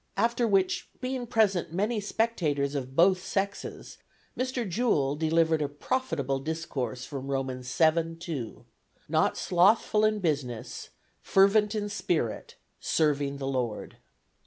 After which being present many spectators of both sexes, Mr. Jewell delivered a profitable discourse from Romans xii. 2: 'Not slothful in business, fervent in spirit, serving the Lord.'"